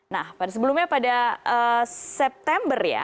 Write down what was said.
nah pada sebelumnya pada september ya